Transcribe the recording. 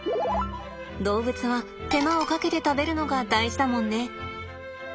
動物は手間をかけて食べるのが大事だもんね。